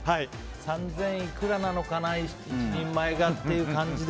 ３０００円いくらなのかな１人前がっていう感じで。